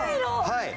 はい！